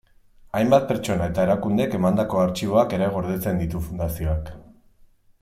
Hainbat pertsona eta erakundek emandako artxiboak ere gordetzen ditu fundazioak.